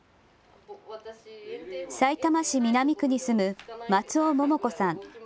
さいたま市南区に住む松尾桃子さん。